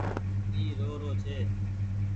اي رو رو ڇي ۔